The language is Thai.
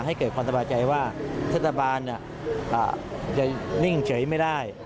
ให้เกิดความสบายใจว่าเทศบาลจะนิ่งเฉยไม่ได้